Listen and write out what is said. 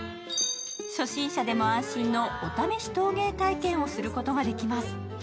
初心者でも安心のおためし陶芸体験をすることができます。